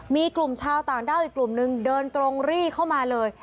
มีกลุ่มชาวต่างด้าวอีกกลุ่มนึงเดินตรงรีเข้ามาเลย